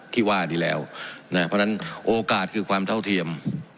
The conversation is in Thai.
ที่ว่านี้แล้วนะเพราะฉะนั้นโอกาสคือความเท่าเทียม